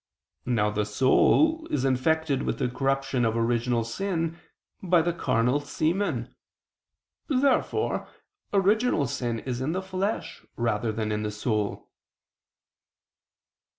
Now the soul is infected with the corruption of original sin by the carnal semen. Therefore original sin is in the flesh rather than in the soul.